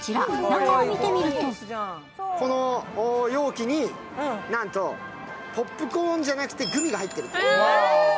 中を見てみるとこの容器になんとポップコーンじゃなくてグミが入ってる。